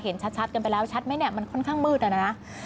เห็นชัดกันไปแล้วชัดไหมเนี่ยมันค่อนข้างมืดอะนะ